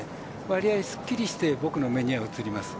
わりあい、すっきりして僕の目には映ります。